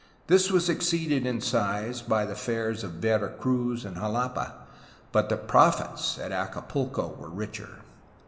This was exceeded in size by the fan's of Vera Cruz and Jalapa, but the profits at Acapulco were richer.